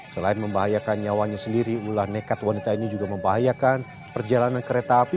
selain membahayakan nyawanya sendiri ulah nekat wanita ini juga membahayakan perjalanan kereta api